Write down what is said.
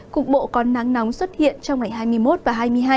cục bộ có nắng nóng xuất hiện trong ngày hai mươi một và hai mươi hai